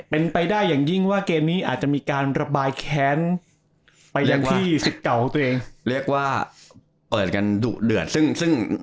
เป็นไปได้อย่างยิ่งว่าเกมนี้อาจจะมีการระบายแค้นไปยังที่สิทธิ์เก่าของตัวเองเรียกว่าเปิดกันดุเดือดซึ่งซึ่ง